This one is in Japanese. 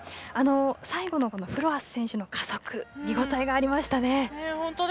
最後のフロアス選手の加速見応えがありましたね。